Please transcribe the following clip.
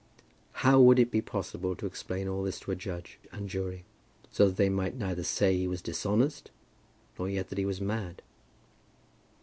How would it be possible to explain all this to a judge and jury, so that they might neither say that he was dishonest, nor yet that he was mad?